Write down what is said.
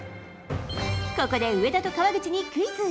ここで上田と川口にクイズ。